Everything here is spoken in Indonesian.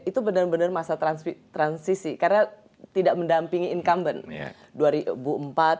itu benar benar masa transisi karena tidak mendampingi incumbent